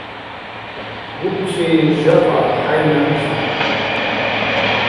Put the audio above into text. Бууси жакъа хӀяйна изу.